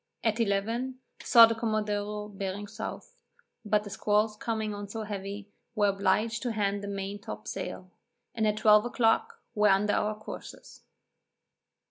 At eleven, saw the commodore bearing south, but the squalls coming on so heavy, were obliged to hand the main top sail, and at twelve o'clock, were under our courses.